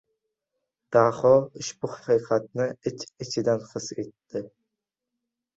Daho ushbu haqiqatni ich-ichidan his etdi.